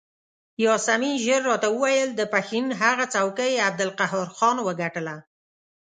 یاسمین ژر راته وویل د پښین هغه څوکۍ عبدالقهار خان وګټله.